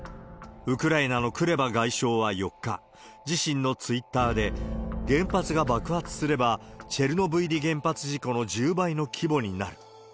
ウクライナのクレバ外相は４日、自身のツイッターで、原発が爆発すれば、チェルノブイリ原発事故の１０倍の規模になる。